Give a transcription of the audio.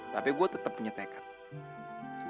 tapi gue tetap punya tekad